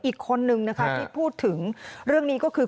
อีกคนนึงนะคะที่พูดถึงเรื่องนี้ก็คือ